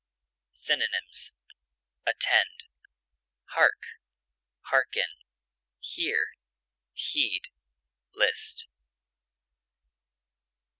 Synonyms: attend, hark, harken, hear, heed, list.